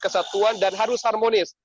satuan dan harus harmonis